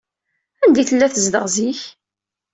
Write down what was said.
Anda ay tella tezdeɣ zik?